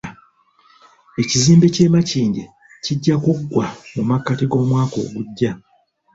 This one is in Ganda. Ekizimbe ky'e Makindye kijja kuggwa mu makkati g'omwaka ogujja